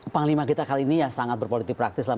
panglima kita kali ini ya sangat berpolitik praktis